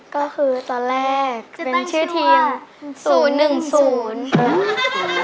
ก็คือตอนแรกเป็นชื่อเทียม๐๑๐